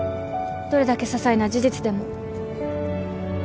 どれだけささいな事実でも。